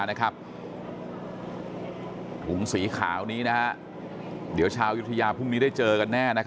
ถุงสีขาวนี้เดี๋ยวชาวยุธยาพรุ่งนี้ได้เจอกันแน่